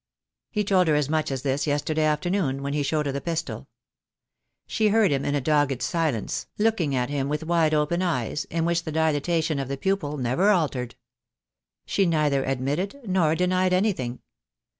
He told her as much as this, yesterday afternoon, when he showed her the pistol. She heard him in dogged silence, looking at him with wide open eyes, in which the dilatation of the pupil never altered. She neither ad mitted nor denied anything.